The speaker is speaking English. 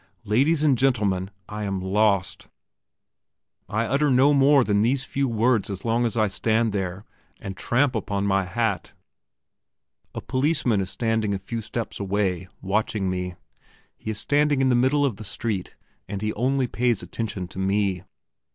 Ladies and gentlemen, I am lost! I utter no more than these few words as long as I stand there, and tramp upon my hat. A policeman is standing a few steps away, watching me. He is standing in the middle of the street, and he only pays attention to me.